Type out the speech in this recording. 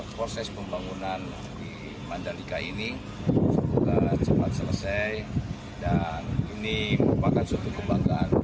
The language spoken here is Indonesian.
proses pembangunan di mandalika ini secara cepat selesai dan ini merupakan suatu kebanggaan